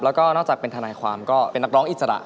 แล้วก็นอกจากเป็นทนายความก็เป็นนักร้องอิสระ